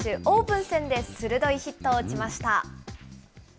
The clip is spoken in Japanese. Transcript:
オープン戦で鋭いヒットを打ちました。